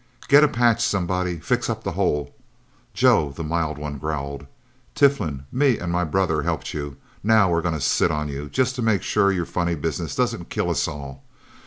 "Get a patch, somebody fix up the hole," Joe, the mild one, growled. "Tiflin me and my brother helped you. Now we're gonna sit on you just to make sure your funny business doesn't kill us all.